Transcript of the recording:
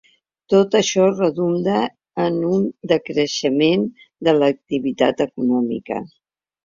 Tot això redunda en un decreixement de l’activitat econòmica.